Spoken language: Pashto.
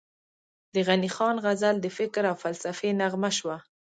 د غني خان غزل د فکر او فلسفې نغمه شوه،